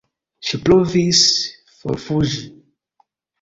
Ŝi provis forfuĝi.